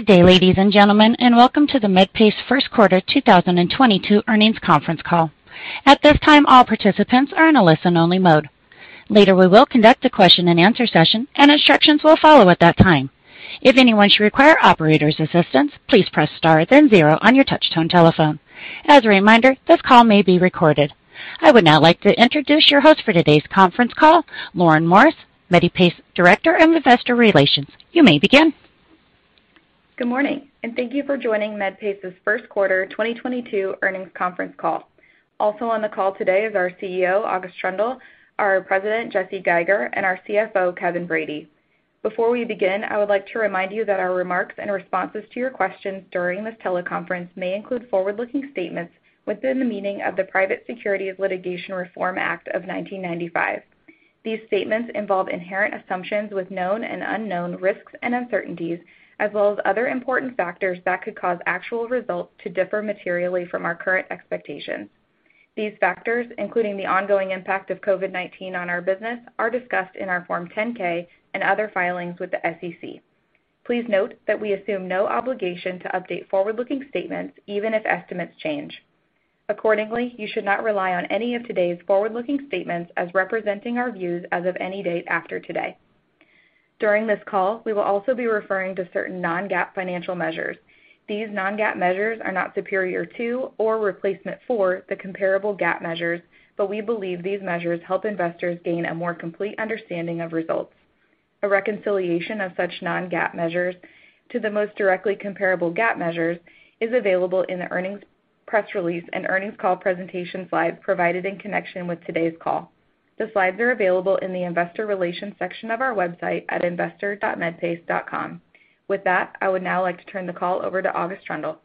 Good day, ladies and gentlemen, and welcome to Medpace's first quarter 2022 earnings conference call. At this time, all participants are in a listen-only mode. Later, we will conduct a question-and-answer session, and instructions will follow at that time. If anyone should require operator's assistance, please press star then zero on your touchtone telephone. As a reminder, this call may be recorded. I would now like to introduce your host for today's conference call, Lauren Morris, Medpace Director of Investor Relations. You may begin. Good morning, and thank you for joining Medpace's first quarter 2022 earnings conference call. Also on the call today is our CEO, August Troendle, our President, Jesse Geiger, and our CFO, Kevin Brady. Before we begin, I would like to remind you that our remarks and responses to your questions during this teleconference may include forward-looking statements within the meaning of the Private Securities Litigation Reform Act of 1995. These statements involve inherent assumptions with known and unknown risks and uncertainties, as well as other important factors that could cause actual results to differ materially from our current expectations. These factors, including the ongoing impact of COVID-19 on our business, are discussed in our Form 10-K and other filings with the SEC. Please note that we assume no obligation to update forward-looking statements, even if estimates change. Accordingly, you should not rely on any of today's forward-looking statements as representing our views as of any date after today. During this call, we will also be referring to certain non-GAAP financial measures. These non-GAAP measures are not superior to or replacement for the comparable GAAP measures, but we believe these measures help investors gain a more complete understanding of results. A reconciliation of such non-GAAP measures to the most directly comparable GAAP measures is available in the earnings press release and earnings call presentation slides provided in connection with today's call. The slides are available in the Investor Relations section of our website at investor.medpace.com. With that, I would now like to turn the call over to August Troendle.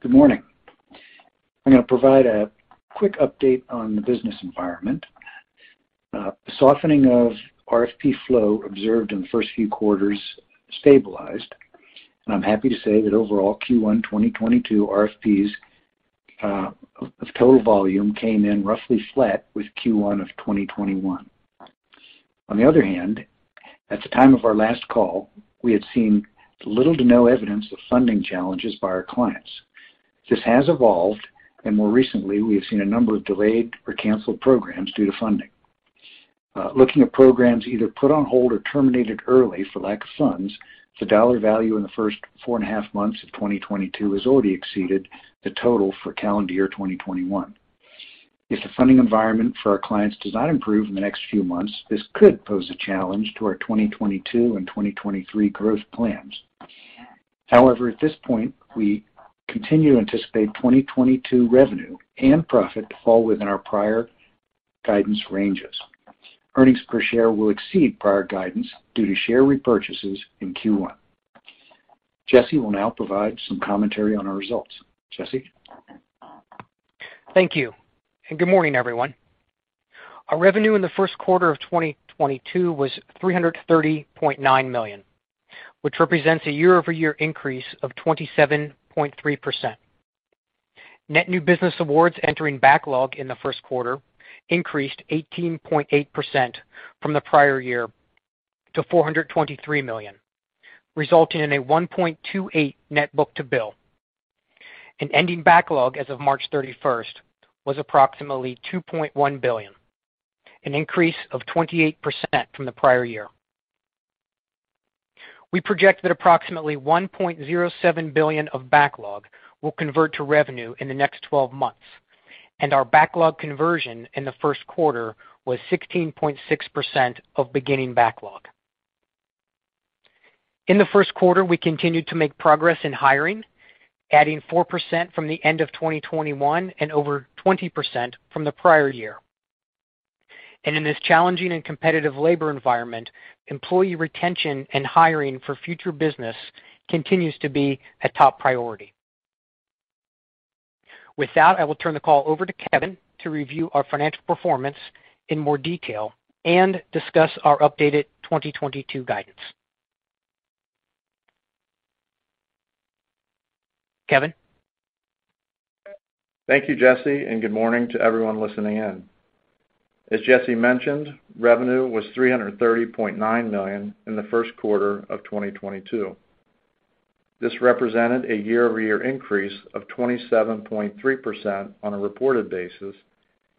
Good morning. I'm gonna provide a quick update on the business environment. Softening of RFP flow observed in the first few quarters stabilized, and I'm happy to say that overall Q1 2022 RFPs of total volume came in roughly flat with Q1 of 2021. On the other hand, at the time of our last call, we had seen little to no evidence of funding challenges by our clients. This has evolved, and more recently, we have seen a number of delayed or canceled programs due to funding. Looking at programs either put on hold or terminated early for lack of funds, the dollar value in the first 4.5 months of 2022 has already exceeded the total for calendar year 2021. If the funding environment for our clients does not improve in the next few months, this could pose a challenge to our 2022 and 2023 growth plans. However, at this point, we continue to anticipate 2022 revenue and profit to fall within our prior guidance ranges. Earnings per share will exceed prior guidance due to share repurchases in Q1. Jesse will now provide some commentary on our results. Jesse? Thank you. Good morning, everyone. Our revenue in the first quarter of 2022 was $330.9 million, which represents a year-over-year increase of 27.3%. Net new business awards entering backlog in the first quarter increased 18.8% from the prior year to $423 million, resulting in a 1.28 net book-to-bill. Our ending backlog as of March 31 was approximately $2.1 billion, an increase of 28% from the prior year. We project that approximately $1.07 billion of backlog will convert to revenue in the next 12 months, and our backlog conversion in the first quarter was 16.6% of beginning backlog. In the first quarter, we continued to make progress in hiring, adding 4% from the end of 2021 and over 20% from the prior year. In this challenging and competitive labor environment, employee retention and hiring for future business continues to be a top priority. With that, I will turn the call over to Kevin to review our financial performance in more detail and discuss our updated 2022 guidance. Kevin? Thank you, Jesse, and good morning to everyone listening in. As Jesse mentioned, revenue was $330.9 million in the first quarter of 2022. This represented a year-over-year increase of 27.3% on a reported basis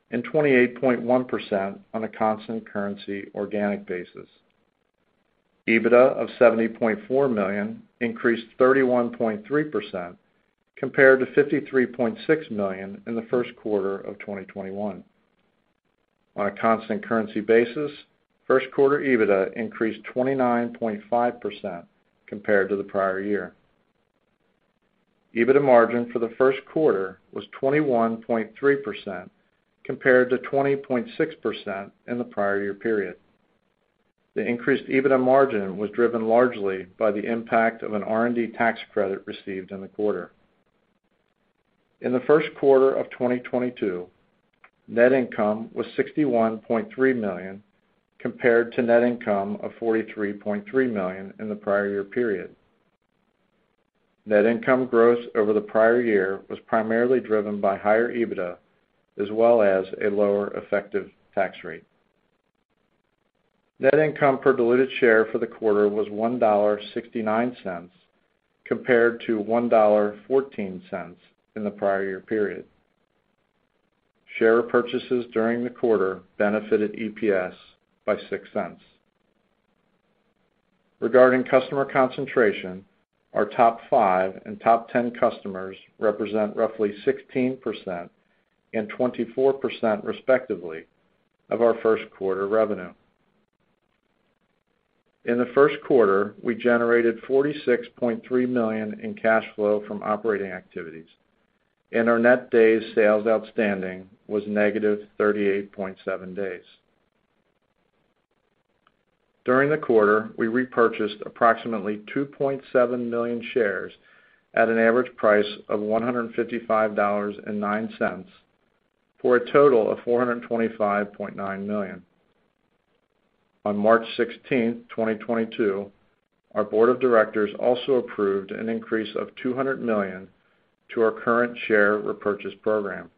and 28.1% on a constant currency organic basis. EBITDA of $70.4 million increased 31.3% compared to $53.6 million in the first quarter of 2021. On a constant currency basis, first quarter EBITDA increased 29.5% compared to the prior year. EBITDA margin for the first quarter was 21.3% compared to 20.6% in the prior year period. The increased EBITDA margin was driven largely by the impact of an R&D tax credit received in the quarter. In the first quarter of 2022, net income was $61.3 million compared to net income of $43.3 million in the prior year period. Net income growth over the prior year was primarily driven by higher EBITDA as well as a lower effective tax rate. Net income per diluted share for the quarter was $1.69 compared to $1.14 in the prior year period. Share purchases during the quarter benefited EPS by $0.06. Regarding customer concentration, our top 5 and top 10 customers represent roughly 16% and 24% respectively of our first quarter revenue. In the first quarter, we generated $46.3 million in cash flow from operating activities, and our net days sales outstanding was -38.7 days. During the quarter, we repurchased approximately 2.7 million shares at an average price of $155.09 for a total of $425.9 million. On March 16, 2022, our board of directors also approved an increase of $200 million to our current share repurchase program.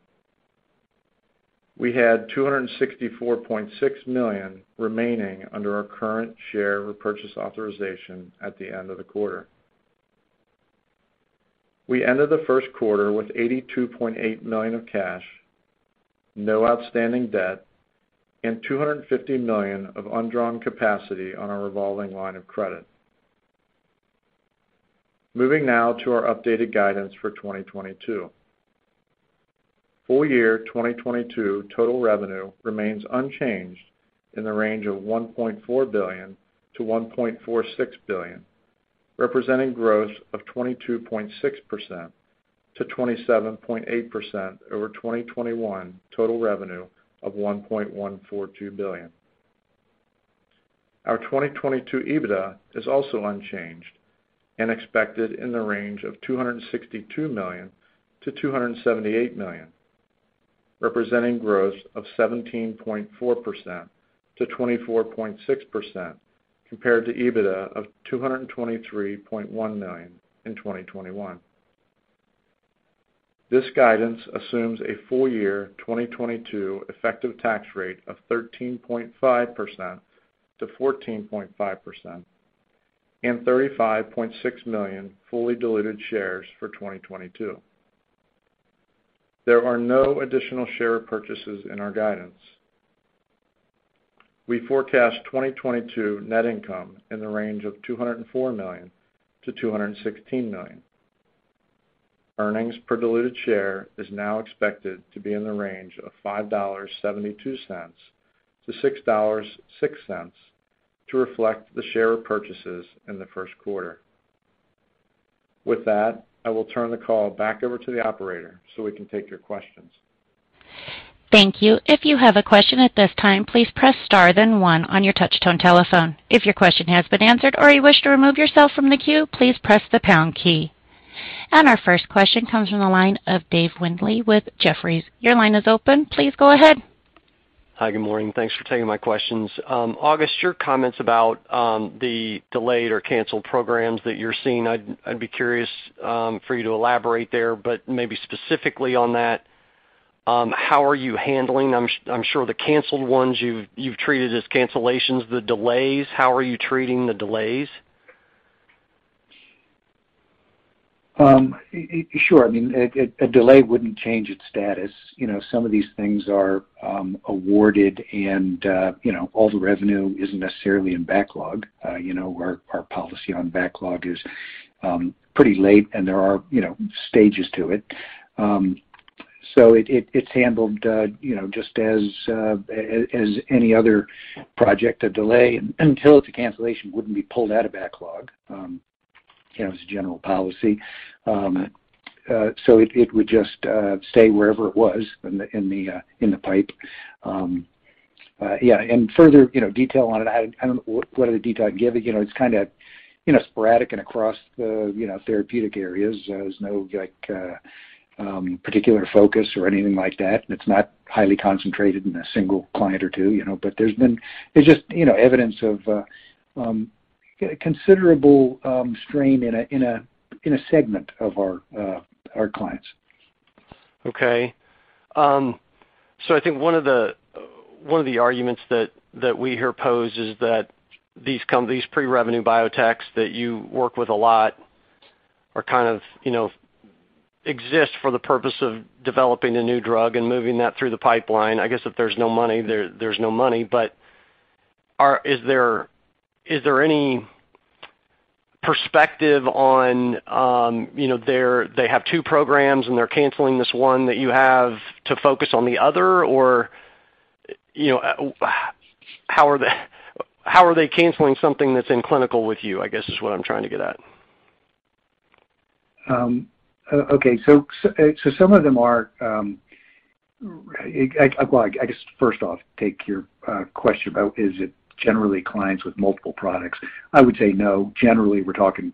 We had $264.6 million remaining under our current share repurchase authorization at the end of the quarter. We ended the first quarter with $82.8 million of cash, no outstanding debt, and $250 million of undrawn capacity on our revolving line of credit. Moving now to our updated guidance for 2022. Full year 2022 total revenue remains unchanged in the range of $1.4 billion-$1.46 billion, representing growth of 22.6%-27.8% over 2021 total revenue of $1.142 billion. Our 2022 EBITDA is also unchanged and expected in the range of $262 million-$278 million, representing growth of 17.4%-24.6% compared to EBITDA of $223.1 million in 2021. This guidance assumes a full year 2022 effective tax rate of 13.5%-14.5% and 35.6 million fully diluted shares for 2022. There are no additional share purchases in our guidance. We forecast 2022 net income in the range of $204 million-$216 million. Earnings per diluted share is now expected to be in the range of $5.72-$6.06 to reflect the share purchases in the first quarter. With that, I will turn the call back over to the operator, so we can take your questions. Our first question comes from the line of Dave Windley with Jefferies. Your line is open. Please go ahead. Hi. Good morning. Thanks for taking my questions. August, your comments about the delayed or canceled programs that you're seeing, I'd be curious for you to elaborate there, but maybe specifically on that, how are you handling? I'm sure the canceled ones you've treated as cancellations. The delays, how are you treating the delays? Sure. I mean, a delay wouldn't change its status. You know, some of these things are awarded, and you know, all the revenue isn't necessarily in backlog. You know, our policy on backlog is pretty late, and there are, you know, stages to it. It's handled, you know, just as any other project. A delay, until it's a cancellation, wouldn't be pulled out of backlog, you know, as a general policy. It would just stay wherever it was in the pipe. Yeah, further, you know, detail on it, I don't know what other detail I'd give you. You know, it's kinda, you know, sporadic and across the therapeutic areas. There's no, like, particular focus or anything like that. It's not highly concentrated in a single client or two, you know, but there's just, you know, evidence of considerable strain in a segment of our clients. Okay. I think one of the arguments that we hear posed is that these pre-revenue biotechs that you work with a lot are kind of, you know, exist for the purpose of developing a new drug and moving that through the pipeline. I guess if there's no money, but is there any perspective on, you know, they have two programs, and they're canceling this one that you have to focus on the other. You know, how are they canceling something that's in clinical with you, I guess, is what I'm trying to get at. Okay. Some of them are, well, I guess first off, take your question about is it generally clients with multiple products. I would say no. Generally, we're talking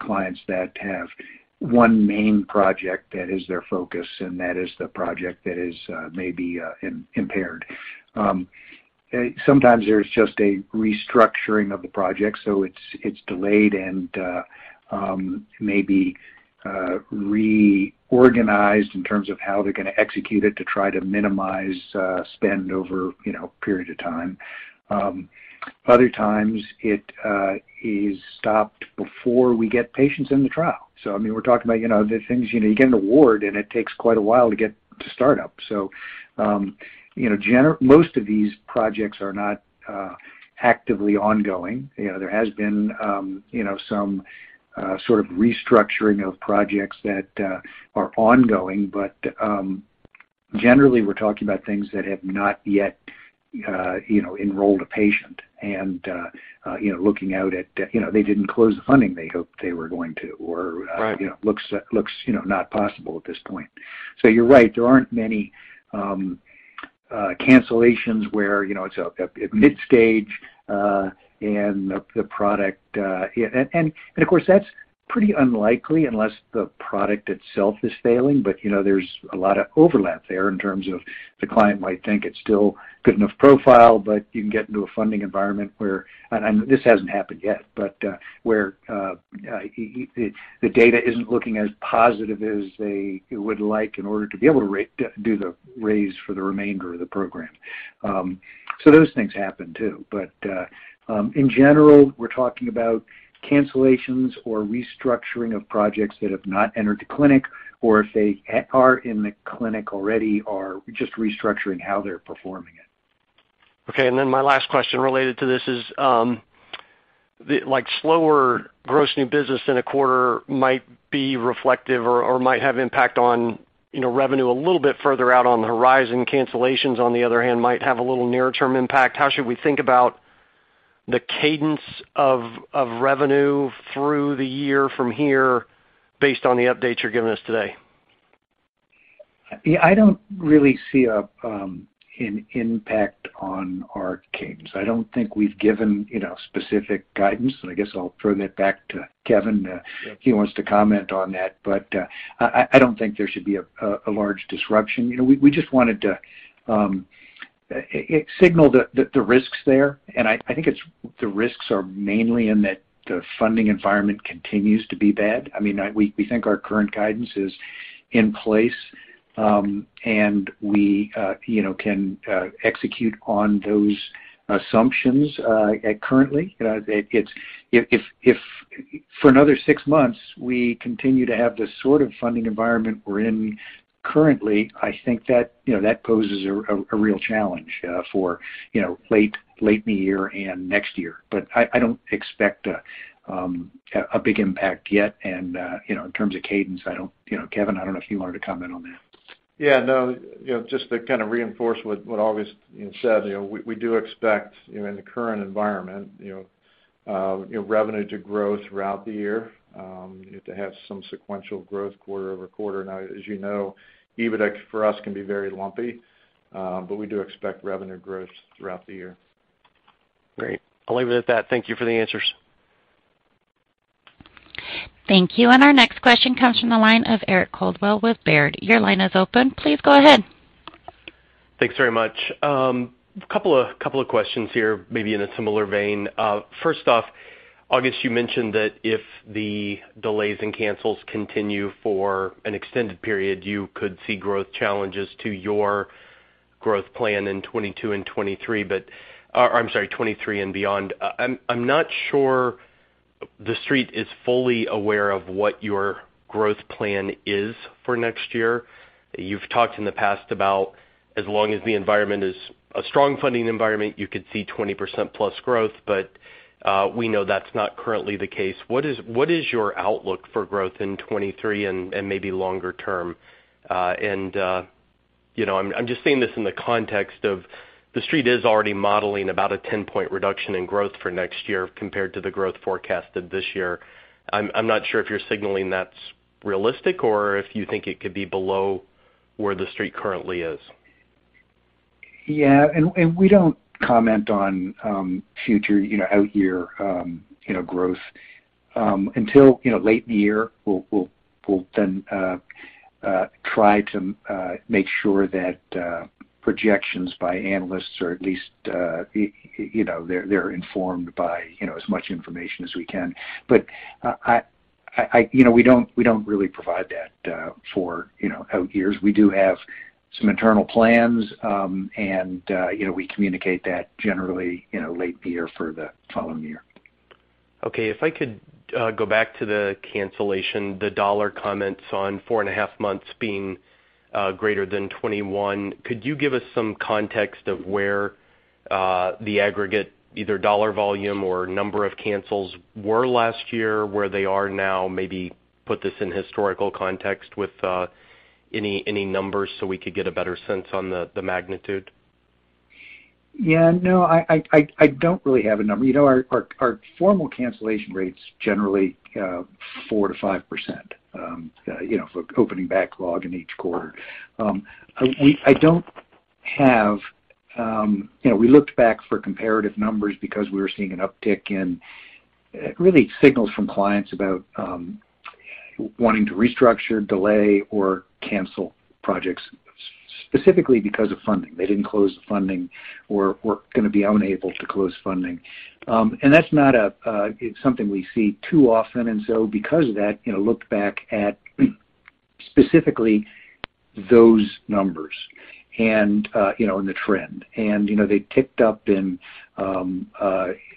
clients that have one main project that is their focus, and that is the project that is maybe impaired. Sometimes there's just a restructuring of the project, so it's delayed and maybe reorganized in terms of how they're gonna execute it to try to minimize spend over, you know, a period of time. Other times it is stopped before we get patients in the trial. I mean, we're talking about, you know, the things, you know, you get an award, and it takes quite a while to get to start up. Generally, most of these projects are not actively ongoing. You know, there has been, you know, some sort of restructuring of projects that are ongoing, but generally, we're talking about things that have not yet, you know, enrolled a patient and, you know, looking out at, you know, they didn't close the funding they hoped they were going to or. Right You know, looks not possible at this point. You're right. There aren't many cancellations where, you know, it's a mid-stage and the product. Of course, that's pretty unlikely unless the product itself is failing. You know, there's a lot of overlap there in terms of the client might think it's still good enough profile, but you can get into a funding environment where this hasn't happened yet, where the data isn't looking as positive as they would like in order to be able to do the raise for the remainder of the program. Those things happen, too. In general, we're talking about cancellations or restructuring of projects that have not entered the clinic, or if they are in the clinic already, are just restructuring how they're performing it. Okay. My last question related to this is, the like, slower gross new business in a quarter might be reflective or might have impact on, you know, revenue a little bit further out on the horizon. Cancellations, on the other hand, might have a little near-term impact. How should we think about the cadence of revenue through the year from here based on the updates you're giving us today? Yeah, I don't really see an impact on our cadence. I don't think we've given, you know, specific guidance, and I guess I'll throw that back to Kevin if he wants to comment on that. I don't think there should be a large disruption. You know, we just wanted to signal the risks there, and I think the risks are mainly in that the funding environment continues to be bad. I mean, we think our current guidance is in place, and we, you know, can execute on those assumptions currently. You know, it's if for another six months we continue to have the sort of funding environment we're in currently. I think that you know that poses a real challenge for you know late in the year and next year. I don't expect a big impact yet. You know, in terms of cadence, I don't know you know Kevin if you wanted to comment on that. Yeah, no. You know, just to kind of reinforce what August you know said, you know, we do expect you know in the current environment you know revenue to grow throughout the year to have some sequential growth quarter-over-quarter. Now, as you know, EBITDA for us can be very lumpy, but we do expect revenue growth throughout the year. Great. I'll leave it at that. Thank you for the answers. Thank you. Our next question comes from the line of Eric Coldwell with Baird. Your line is open. Please go ahead. Thanks very much. A couple of questions here, maybe in a similar vein. First off, August, you mentioned that if the delays and cancels continue for an extended period, you could see growth challenges to your growth plan in 2022 and 2023, but, or I'm sorry, 2023 and beyond. I'm not sure The Street is fully aware of what your growth plan is for next year. You've talked in the past about, as long as the environment is a strong funding environment, you could see 20%+ growth, but we know that's not currently the case. What is your outlook for growth in 2023 and maybe longer term? You know, I'm just saying this in the context of The Street is already modeling about a 10-point reduction in growth for next year compared to the growth forecasted this year. I'm not sure if you're signaling that's realistic or if you think it could be below where The Street currently is. Yeah. We don't comment on future, you know, out-year, you know, growth until, you know, late in the year. We'll then try to make sure that projections by analysts are at least, you know, they're informed by, you know, as much information as we can. I, you know, we don't really provide that for, you know, out years. We do have some internal plans, and, you know, we communicate that generally, you know, late in the year for the following year. Okay. If I could go back to the cancellation, the dollar comments on 4.5 months being greater than 21. Could you give us some context of where the aggregate, either dollar volume or number of cancels were last year, where they are now, maybe put this in historical context with any numbers, so we could get a better sense on the magnitude? Yeah, no, I don't really have a number. You know, our formal cancellation rate's generally 4%-5%, you know, for opening backlog in each quarter. I don't have. You know, we looked back for comparative numbers because we were seeing an uptick in early signals from clients about wanting to restructure, delay, or cancel projects specifically because of funding. They didn't close the funding or gonna be unable to close funding. That's not something we see too often. Because of that, you know, looked back at specifically those numbers and, you know, and the trend. You know, they ticked up in,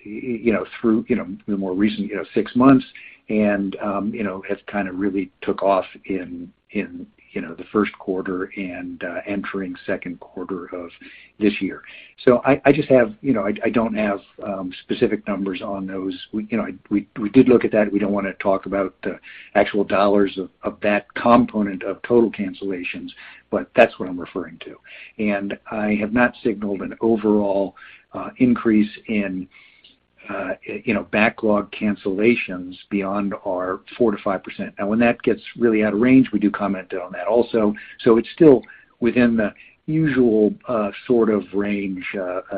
you know, through, you know, the more recent, you know, six months and, you know, has kinda really took off in, you know, the first quarter and, entering second quarter of this year. I just have, you know, I don't have specific numbers on those. We, you know, we did look at that. We don't wanna talk about actual dollars of that component of total cancellations, but that's what I'm referring to. I have not signaled an overall increase in, you know, backlog cancellations beyond our 4%-5%. Now, when that gets really out of range, we do comment on that also. It's still within the usual sort of range,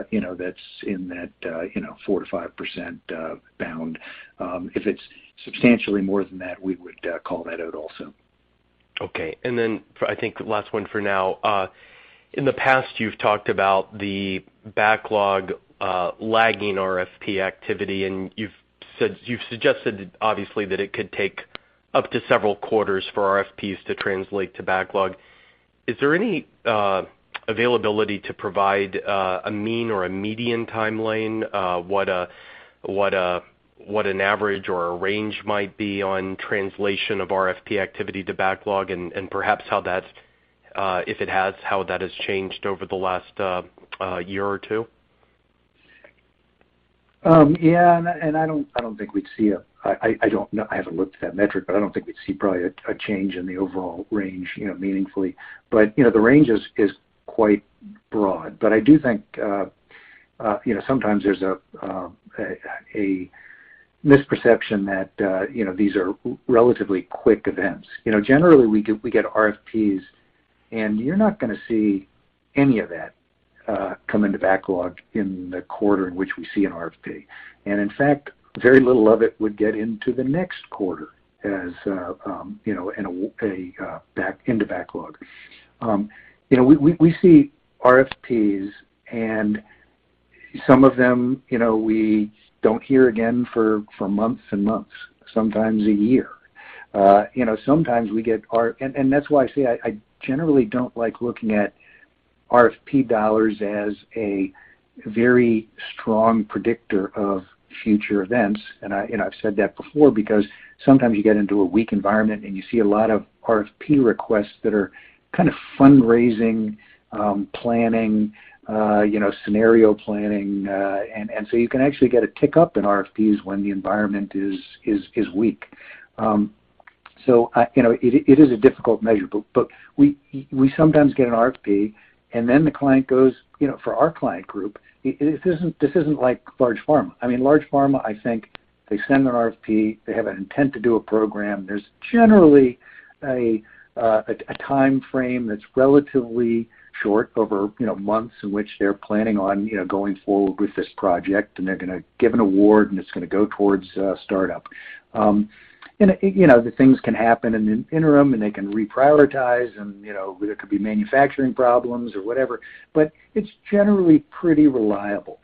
you know, that's in that you know, 4%-5% bound. If it's substantially more than that, we would call that out also. Okay. Then for, I think, last one for now. In the past, you've talked about the backlog lagging RFP activity, and you've suggested obviously that it could take up to several quarters for RFPs to translate to backlog. Is there any availability to provide a mean or a median timeline, what an average or a range might be on translation of RFP activity to backlog? Perhaps how that's, if it has, how that has changed over the last year or two? Yeah. I don't think we'd see. I don't know. I haven't looked at that metric, but I don't think we'd see probably a change in the overall range, you know, meaningfully. You know, the range is quite broad. I do think you know sometimes there's a misperception that you know these are relatively quick events. You know, generally we get RFPs, and you're not gonna see any of that come into backlog in the quarter in which we see an RFP. In fact, very little of it would get into the next quarter as you know back into backlog. You know, we see RFPs and some of them, you know, we don't hear again for months and months, sometimes a year. You know, that's why I generally don't like looking at RFP dollars as a very strong predictor of future events, and you know, I've said that before because sometimes you get into a weak environment and you see a lot of RFP requests that are kind of fundraising planning, you know, scenario planning, and so you can actually get a tick up in RFPs when the environment is weak. So, you know, it is a difficult measure. We sometimes get an RFP and then the client goes, you know, for our client group, it isn't, this isn't like large pharma. I mean, large pharma, I think they send an RFP. They have an intent to do a program. There's generally a timeframe that's relatively short over, you know, months in which they're planning on, you know, going forward with this project. They're gonna give an award, and it's gonna go towards startup. You know, the things can happen in an interim, and they can reprioritize and, you know, there could be manufacturing problems or whatever, but it's generally pretty reliable.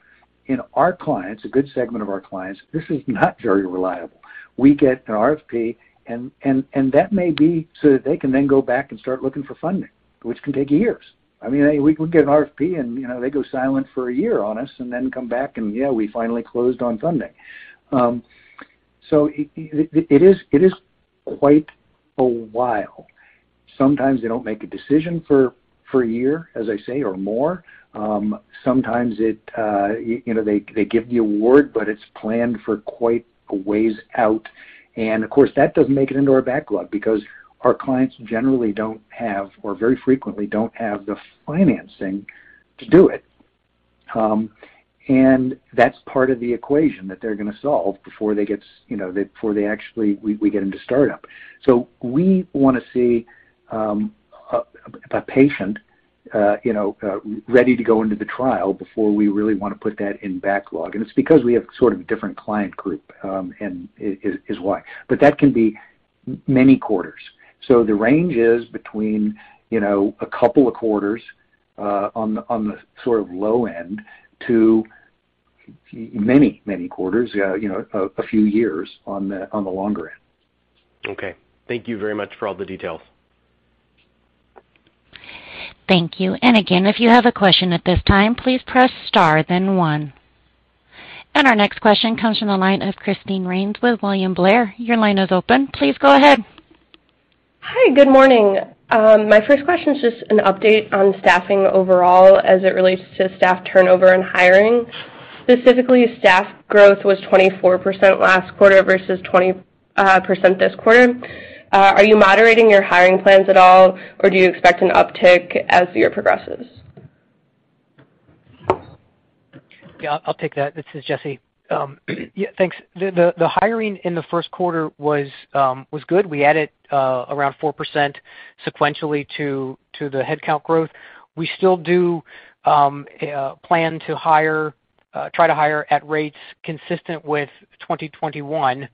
In our clients, a good segment of our clients, this is not very reliable. We get an RFP and that may be so that they can then go back and start looking for funding, which can take years. I mean, we get an RFP and, you know, they go silent for a year on us and then come back, and yeah, we finally closed on funding. It is quite a while. Sometimes they don't make a decision for a year, as I say, or more. Sometimes you know, they give the award, but it's planned for quite a ways out. Of course, that doesn't make it into our backlog because our clients generally don't have or very frequently don't have the financing to do it. That's part of the equation that they're gonna solve before they get, you know, before they actually, we get into startup. We wanna see a patient you know ready to go into the trial before we really wanna put that in backlog. It's because we have sort of a different client group and is why. That can be many quarters. The range is between you know a couple of quarters on the sort of low end to many quarters you know a few years on the longer end. Okay. Thank you very much for all the details. Thank you. Again, if you have a question at this time, please press star then one. Our next question comes from the line of Christine Rains with William Blair. Your line is open. Please go ahead. Hi. Good morning. My first question is just an update on staffing overall as it relates to staff turnover and hiring. Specifically, staff growth was 24% last quarter versus 20% this quarter. Are you moderating your hiring plans at all, or do you expect an uptick as the year progresses? Yeah, I'll take that. This is Jesse. Yeah, thanks. The hiring in the first quarter was good. We added around 4% sequentially to the headcount growth. We still do plan to hire, try to hire at rates consistent with 2021,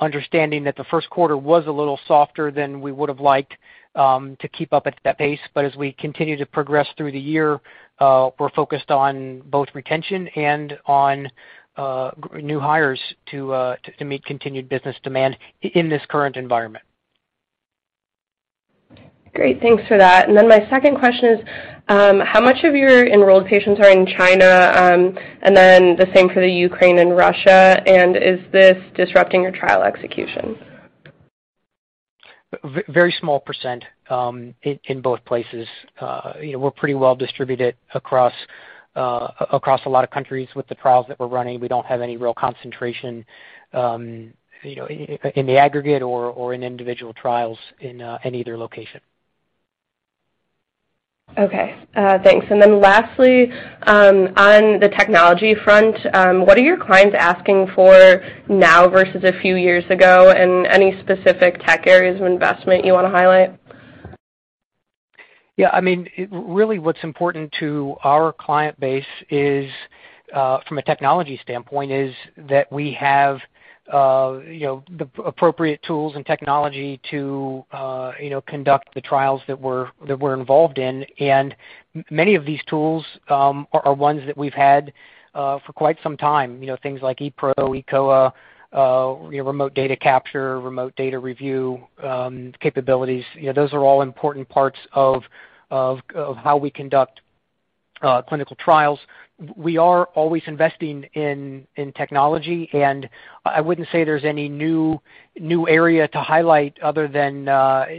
understanding that the first quarter was a little softer than we would have liked to keep up at that pace. As we continue to progress through the year, we're focused on both retention and on new hires to meet continued business demand in this current environment. Great. Thanks for that. My second question is, how much of your enrolled patients are in China? The same for Ukraine and Russia. Is this disrupting your trial execution? Very small percent, in both places. We're pretty well distributed across a lot of countries with the trials that we're running. We don't have any real concentration, you know, in the aggregate or in individual trials in either location. Okay. Thanks. Lastly, on the technology front, what are your clients asking for now versus a few years ago? Any specific tech areas of investment you wanna highlight? Yeah, I mean, really what's important to our client base is, from a technology standpoint, is that we have, you know, the appropriate tools and technology to, you know, conduct the trials that we're involved in. Many of these tools are ones that we've had for quite some time. You know, things like ePRO, eCOA, you know, remote data capture, remote data review, capabilities. You know, those are all important parts of how we conduct clinical trials. We are always investing in technology, and I wouldn't say there's any new area to highlight other than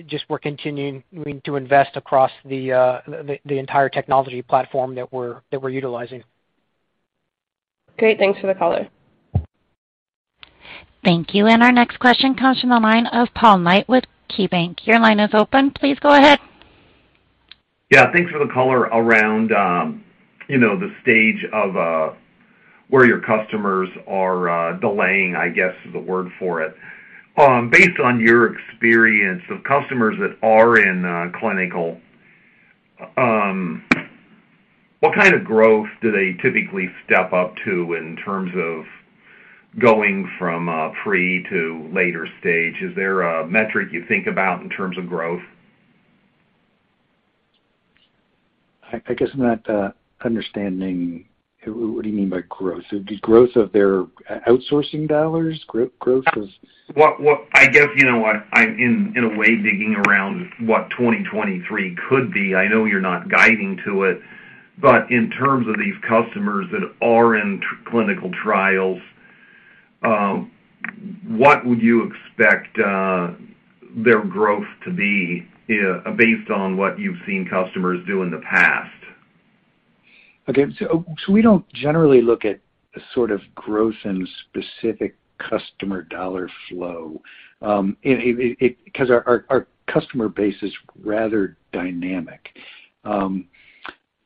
just we're continuing to invest across the entire technology platform that we're utilizing. Great. Thanks for the color. Thank you. Our next question comes from the line of Paul Knight with KeyBanc. Your line is open. Please go ahead. Yeah, thanks for the color around, you know, the stage of where your customers are delaying, I guess, the word for it. Based on your experience of customers that are in clinical, what kind of growth do they typically step up to in terms of going from pre to later stage? Is there a metric you think about in terms of growth? I guess I'm not understanding. What do you mean by growth? The growth of their outsourcing dollars? Growth is- What I guess you know what I'm in a way digging around what 2023 could be. I know you're not guiding to it, but in terms of these customers that are in clinical trials, what would you expect their growth to be based on what you've seen customers do in the past? We don't generally look at the sort of growth and specific customer dollar flow 'cause our customer base is rather dynamic. You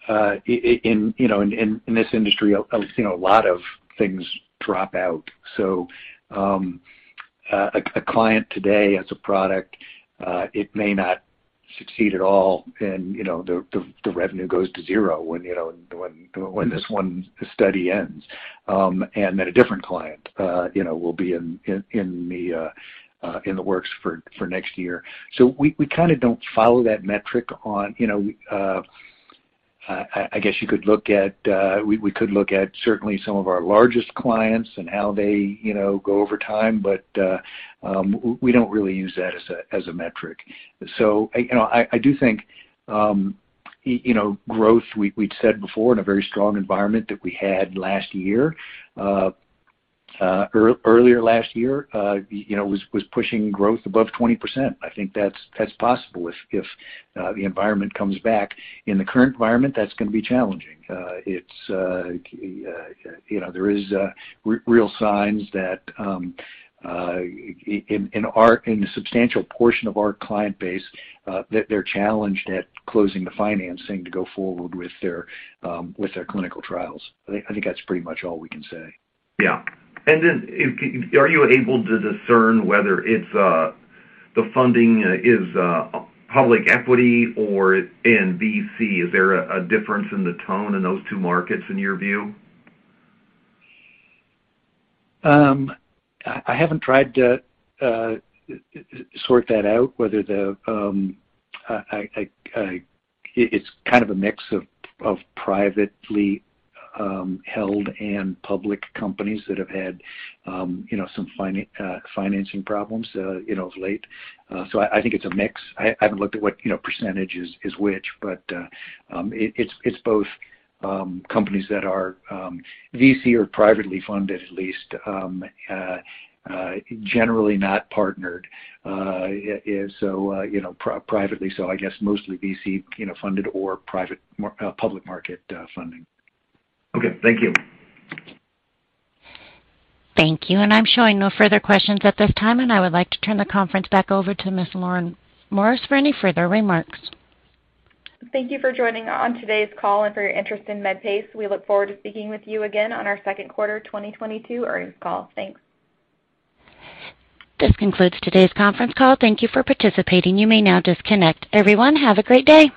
know, in this industry, I've seen a lot of things drop out. A client today has a product, it may not succeed at all. You know, the revenue goes to zero when you know, when this one study ends. A different client, you know, will be in the works for next year. We kinda don't follow that metric on, you know, I guess you could look at, we could look at certainly some of our largest clients and how they, you know, go over time, but, we don't really use that as a metric. You know, I do think, you know, growth, we'd said before in a very strong environment that we had last year, earlier last year, you know, was pushing growth above 20%. I think that's possible if the environment comes back. In the current environment, that's gonna be challenging. It's, you know, there is real signs that in the substantial portion of our client base that they're challenged at closing the financing to go forward with their clinical trials. I think that's pretty much all we can say. Yeah. Are you able to discern whether the funding is public equity or in VC? Is there a difference in the tone in those two markets in your view? I haven't tried to sort that out, whether it's kind of a mix of privately held and public companies that have had you know some financing problems you know of late. I think it's a mix. I haven't looked at what you know percentage is which, but it's both companies that are VC or privately funded at least generally not partnered. I guess mostly VC you know funded or private market or public market funding. Okay, thank you. Thank you. I'm showing no further questions at this time, and I would like to turn the conference back over to Ms. Lauren Morris for any further remarks. Thank you for joining on today's call and for your interest in Medpace. We look forward to speaking with you again on our second quarter 2022 earnings call. Thanks. This concludes today's conference call. Thank you for participating. You may now disconnect. Everyone, have a great day.